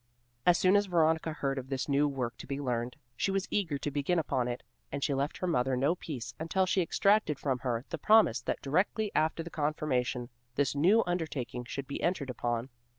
As soon as Veronica heard of this new work to be learned, she was eager to begin upon it, and she left her mother no peace until she extracted from her the promise that directly after the confirmation, this new undertaking should be entered upon.